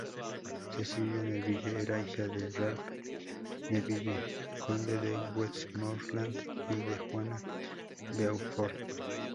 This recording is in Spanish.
Cecilia Neville era hija de Ralph Neville, conde de Westmorland, y de Juana Beaufort.